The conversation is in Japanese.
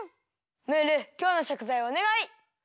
ムールきょうのしょくざいをおねがい！